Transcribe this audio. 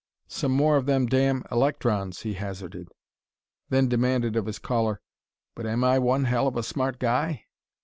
"Some more of them damn electrons," he hazarded; then demanded of his caller: "But am I one hell of a smart guy?